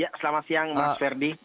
ya selamat siang mas ferdi